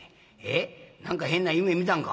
何か変な夢見たんか？」。